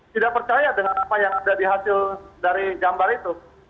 tidak percaya dengan apa yang ada di hasil dari gambar itu